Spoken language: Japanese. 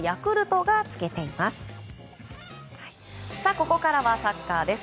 ここからはサッカーです。